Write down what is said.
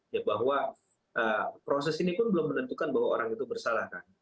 ya bahwa proses ini pun belum menentukan bahwa orang itu bersalah kan